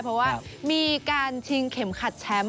เพราะว่ามีการชิงเข็มขัดแชมป์